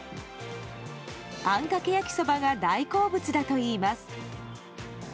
あんかけ焼きそばが大好物だといいます。